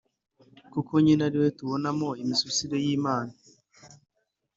kuko nyine ariwe tuboneramo imisusire y’imana.